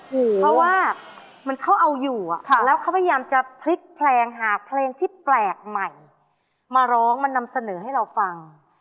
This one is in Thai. เพราะว่ามันเขาเอาอยู่แล้วเขาพยายามจะพลิกเพลงหากเพลงที่แปลกใหม่มาร้องมานำเสนอให้เราฟัง